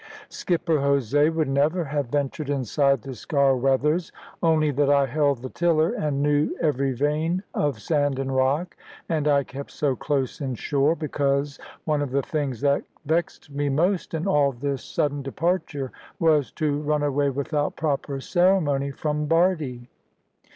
Skipper Jose would never have ventured inside the Sker weathers, only that I held the tiller, and knew every vein of sand and rock. And I kept so close in shore, because one of the things that vexed me most in all this sudden departure, was to run away without proper ceremony from Bardie.